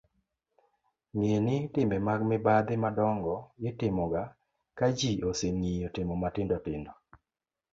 ng'e ni timbe mag mibadhi madongo' itimoga ka ji oseng'iyo timo matindotindo